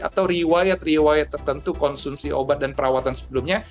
atau riwayat riwayat tertentu konsumsi obat dan perawatan sebelumnya